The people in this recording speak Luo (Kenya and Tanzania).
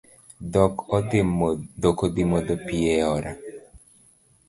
Dhok odhii modho pii e aora.